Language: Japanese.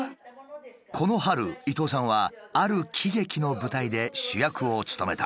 この春伊東さんはある喜劇の舞台で主役を務めた。